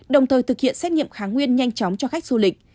đồng thời thực hiện xét nghiệm kháng nguyên nhanh chóng cho khách du lịch